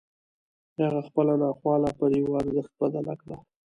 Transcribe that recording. هغه خپله ناخواله پر يوه ارزښت بدله کړه.